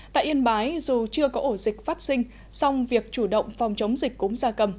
tại yên bái dù chưa có ổ dịch phát sinh song việc chủ động phòng chống dịch cúm gia cầm